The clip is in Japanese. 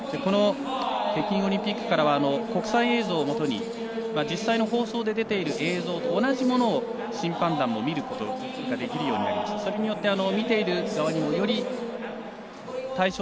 北京オリンピックからは国際映像をもとに実際の放送で出ている映像と同じものを審判団も見ることができるようになりました。